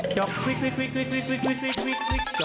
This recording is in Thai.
จอกควิก